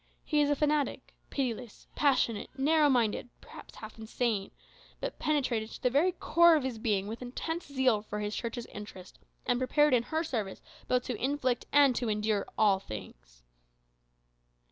He is a fanatic pitiless, passionate, narrow minded, perhaps half insane but penetrated to the very core of his being with intense zeal for his Church's interest, and prepared in her service both to inflict and to endure all things.